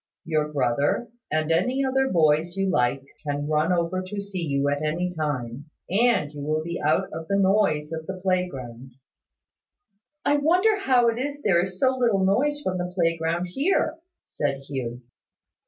Your brother, and any other boys you like, can run over to see you at any time; and you will be out of the noise of the playground." "I wonder how it is there is so little noise from the playground here," said Hugh.